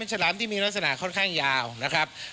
ฉลามที่มีลักษณะค่อนข้างยาวนะครับ